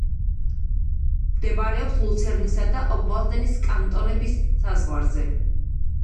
მდებარეობს ლუცერნისა და ობვალდენის კანტონების საზღვარზე.